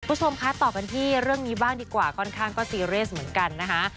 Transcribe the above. คุณผู้ชมคะต่อกันที่เรื่องนี้บ้างดีกว่าค่อนข้างก็ซีเรียสเหมือนกันนะคะ